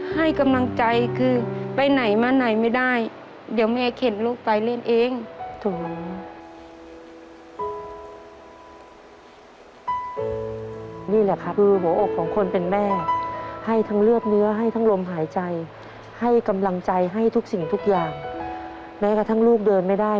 ให้กำลังใจคือไปไหนมาไหนไม่ได้